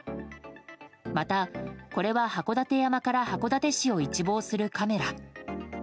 また、これは函館山から函館市を一望するカメラ。